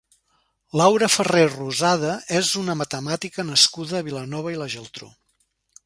Laura Farré Rozada és una matemàtica nascuda a Vilanova i la Geltrú.